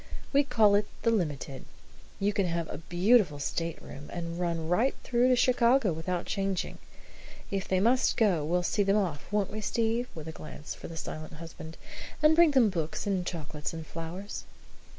"We call it the 'Limited.' You can have a beautiful stateroom, and run right through to Chicago without changing. If they must go, we'll see them off, won't we, Steve?" with a glance for the silent husband, "and bring them books and chocolates and flowers?"